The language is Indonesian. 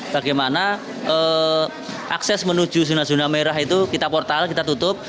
bagaimana akses menuju zona zona merah itu kita portal kita tutup